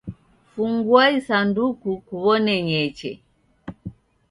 Fungua isanduku kuw'one ny'eche.